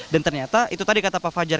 dan ternyata itu tadi kata pak fajar